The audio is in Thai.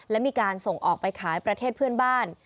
และมีการส่งออกไปขายประเทศเพื่อนบ้าน